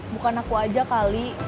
bukan aku aja kali